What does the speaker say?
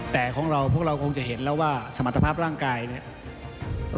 แต่ของเราพวกเราคงจะเห็นแล้วว่าสมรรถภาพร่างกายเนี่ย